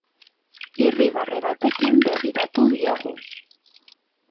Irribarre batekin begiratu diogu.